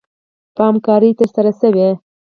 په همکارۍ ترسره شوې